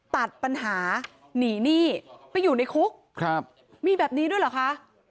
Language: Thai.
ตัดปัญหาหนีหนี้ไปอยู่ในคุกครับมีแบบนี้ด้วยเหรอคะ